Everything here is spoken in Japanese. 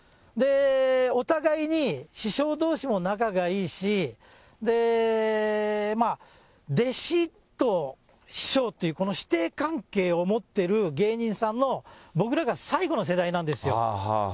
お互いに師匠どうしも仲がいいし、弟子と師匠という、この師弟関係を持ってる芸人さんの、僕らが最後の世代なんですよ。